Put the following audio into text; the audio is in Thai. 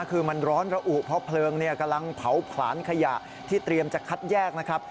คือมันร้อนระอุเพราะเพลิงกำลังเผาผลาญขยะที่เตรียมจะคัดแยกนะครับ